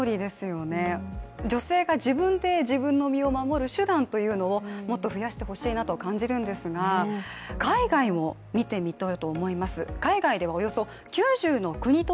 女性が自分で自分の身を守る手段をもっと増やしてほしいと感じるんですが海外も見てみたいと思います。